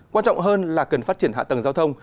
quan trọng hơn là cần phát triển hạ tầng giao thông